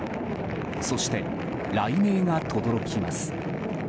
そして、雷鳴がとどろきます。